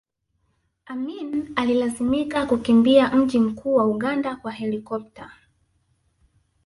Amin alilazimika kukimbia mji mkuu wa Uganda kwa helikopta